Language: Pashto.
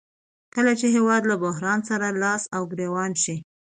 کله چې هېواد له بحران سره لاس او ګریوان شي